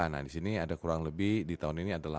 nah disini ada kurang lebih di tahun ini ada delapan